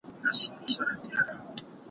زه هره ورځ د سبا لپاره د ليکلو تمرين کوم؟!